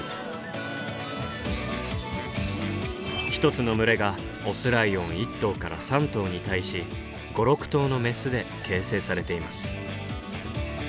１つの群れがオスライオン１頭から３頭に対し５６頭のメスで形成されています。